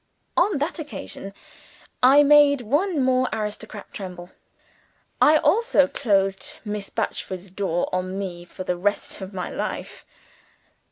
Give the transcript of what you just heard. On that occasion, I made one more aristocrat tremble. I also closed Miss Batchford's door on me for the rest of my life.